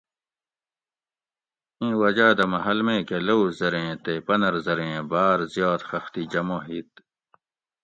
ایں وجہ دہ محل میکہ لوؤ زریں تے پنر زریں باۤر زیات خختی جمع ہِیت